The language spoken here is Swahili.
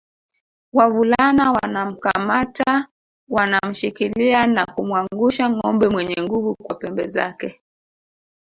Wavulana wanakamata wanamshikilia na kumwangusha ngombe mwenye nguvu kwa pembe zake